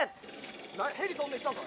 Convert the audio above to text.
ヘリ飛んできたぞ